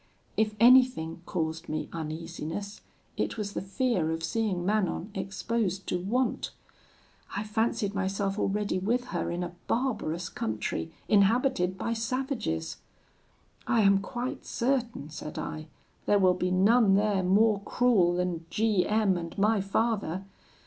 "If anything caused me uneasiness, it was the fear of seeing Manon exposed to want. I fancied myself already with her in a barbarous country, inhabited by savages. 'I am quite certain,' said I, 'there will be none there more cruel than G M and my father.